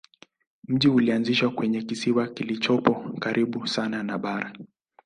Mji ulianzishwa kwenye kisiwa kilichopo karibu sana na bara.